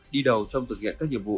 đi đầu trong thực hiện các nhiệm vụ